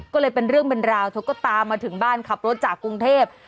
ก็เลยเป็นเรื่องเป็นราวเธอก็ตามมาถึงบ้านขับรถจากกรุงเทพ